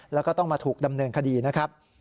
แล้วก็ต้องมาถูกดำเนินคดีนะครับ